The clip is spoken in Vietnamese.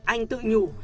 anh tự nhủ